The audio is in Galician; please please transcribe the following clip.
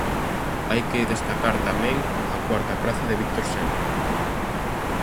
Hai que destacar tamén, a cuarta praza de Víctor Senra.